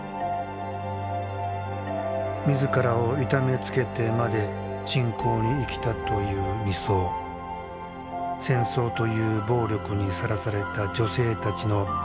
自らを痛めつけてまで信仰に生きたという尼僧戦争という暴力にさらされた女性たちの救いとなったのだろうか。